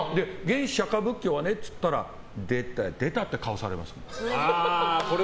釈迦仏教はねって言ったら出た出たって顔されます。